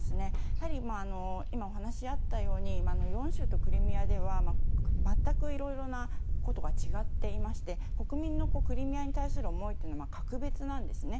やはり今、お話にあったように４州とクリミアでは全くいろいろなことが違っていまして国民のクリミアに対する思いというのは格別なんですね。